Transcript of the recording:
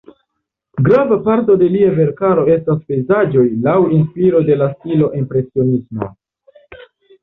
Grava parto de lia verkaro estas pejzaĝoj laŭ inspiro de la stilo impresionismo.